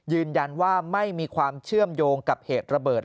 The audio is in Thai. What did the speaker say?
ยืนยันว่าไม่มีความเชื่อมโยงกับเหตุระเบิด